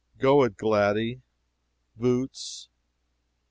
"Go it, Gladdy!" "Boots!"